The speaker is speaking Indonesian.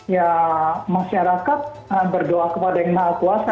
ya masyarakat berdoa kepada yang maha kuasa